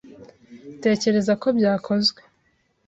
Tekereza ko byakozwe.